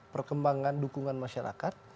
perkembangan dukungan masyarakat